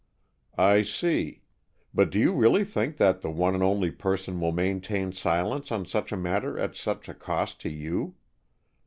"I see. But do you really think that the one and only person will maintain silence on such a matter at such a cost to you?"